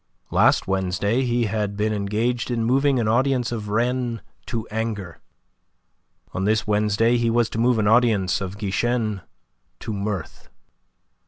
Last Wednesday he had been engaged in moving an audience of Rennes to anger; on this Wednesday he was to move an audience of Guichen to mirth.